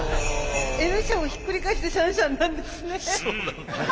「Ｎ社」をひっくり返して「社Ｎ社Ｎ」なんですね。